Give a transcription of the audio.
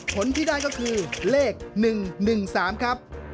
ผลที่ได้ก็คือเลข๑๑๓ครับ